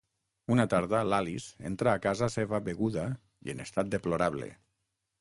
Una tarda l'Alice entra a casa seva beguda i en estat deplorable.